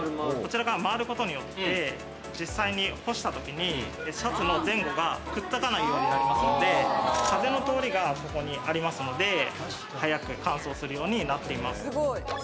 こちらが回ることによって実際に干した時に、シャツの前後がくっつかないようになりますので、風の通りがありますので、早く乾燥するようになっています。